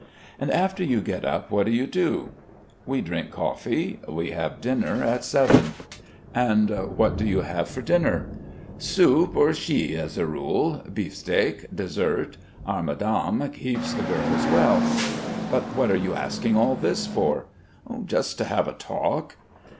"And after you get up what do you do?" "We drink coffee. We have dinner at seven." "And what do you have for dinner?" "Soup or schi as a rule, beef steak, dessert. Our madame keeps the girls well. But what are you asking all this for?" "Just to have a talk...."